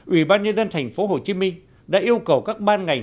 ủy ban nhân dân tp hcm đã yêu cầu các ban ngành